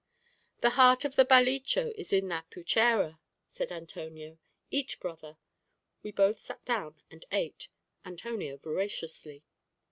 "The heart of the balichó is in that puchera," said Antonio; "eat, brother." We both sat down and ate Antonio voraciously.